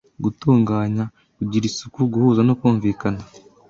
Gutunganya, kugira isuku, guhuza no kumvikana